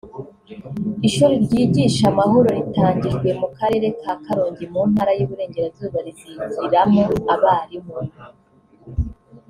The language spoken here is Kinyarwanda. Ishuri ryigisha amahoro ritangijwe mu Karere ka Karongi mu Ntara y’Iburengerazuba rizigiramo abarimu